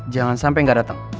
jangan sampe ga dateng